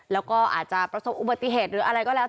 แล้วก็อาจจะประสบอุบัติเหตุหรืออะไรก็แล้ว